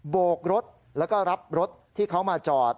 โบกรถแล้วก็รับรถที่เขามาจอด